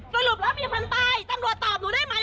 สรุปแล้วมีคนตายตำรวจตอบหนูได้ไหม